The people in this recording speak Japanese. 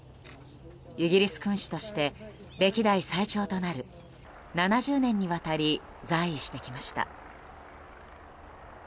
イギリス君主として歴代最長となる７０年にわたり在位してきました。